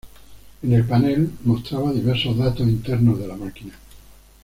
En el panel mostraba diversos datos internos de la máquina.